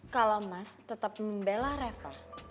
kalo mas tetap membela reva